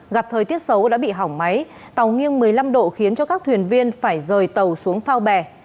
gặp thời tiết xấu đã bị hỏng máy tàu nghiêng một mươi năm độ khiến cho các thuyền viên phải rời tàu xuống phao bè